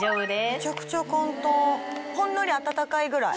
めちゃくちゃ簡単ほんのり温かいぐらい。